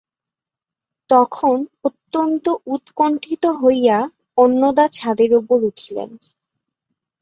তখন অত্যন্ত উৎকণ্ঠিত হইয়া অন্নদা ছাদের উপরে উঠিলেন।